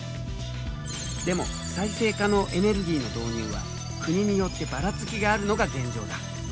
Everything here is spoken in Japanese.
でも再生可能エネルギーの導入は国によってばらつきがあるのが現状だ。